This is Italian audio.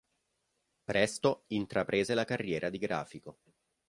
Presto intraprese la carriera di grafico.